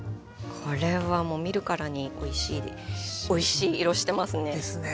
これはもう見るからにおいしい色してますね。ですね。